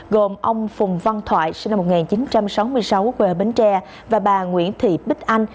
gồm ông phùng văn thoại sinh năm một nghìn chín trăm sáu mươi sáu quê ở bến tre và bà nguyễn thị bích anh